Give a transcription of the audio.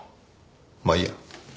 まあいいや。